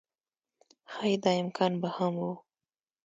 ښايي دا امکان به هم و